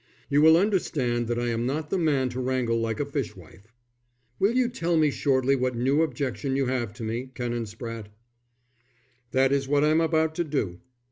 "You will understand that I am not the man to wrangle like a fishwife." "Will you tell me shortly what new objection you have to me, Canon Spratte?" "That is what I am about to do.